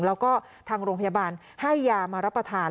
แล้วก็ทางโรงพยาบาลให้ยามารับประทาน